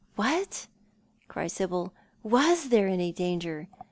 " What !" cried Sibyl ;" was there any danger